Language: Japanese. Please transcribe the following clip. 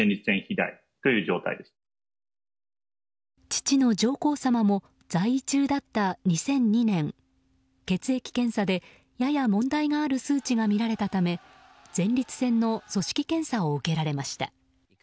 父の上皇さまも在位中だった２００２年血液検査でやや問題がある数値が見られたため前立腺の組織検査を受けられました。